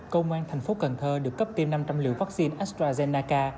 công an tp cần thơ được cấp tiêm năm trăm linh liều vaccine astrazeneca